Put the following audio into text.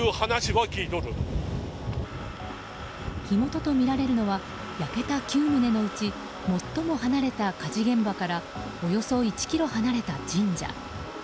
火元とみられるのは焼けた９棟のうち最も離れた火事現場からおよそ１ｋｍ離れた神社。